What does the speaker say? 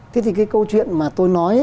thế thì cái câu chuyện mà tôi nói